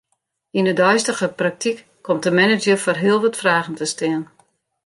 Yn 'e deistige praktyk komt de manager foar heel wat fragen te stean.